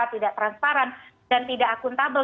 tidak transparan dan tidak akuntabel